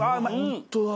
本当だ。